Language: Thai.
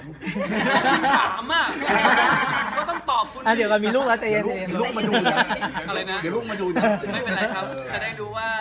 ตอนนี้มันเป็นผมมีครอบครัวแล้ว